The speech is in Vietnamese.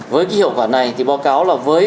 với cái hiệu quả này thì báo cáo là với